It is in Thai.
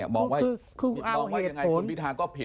มองว่าแบบไหนคุณวิทยาก้าวผิด